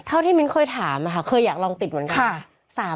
เท่าที่มิ้นเคยถามค่ะเคยอยากลองติดเหมือนกัน